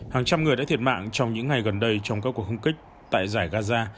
hàng trăm người đã thiệt mạng trong những ngày gần đây trong các cuộc không kích tại giải gaza